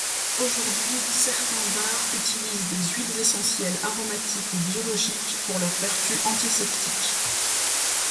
Aujourd'hui, certains bars utilisent des huiles essentielles aromatiques ou biologiques pour leurs vertus antiseptiques.